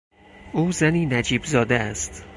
او زنی نجیب زاده است.